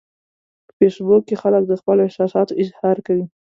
په فېسبوک کې خلک د خپلو احساساتو اظهار کوي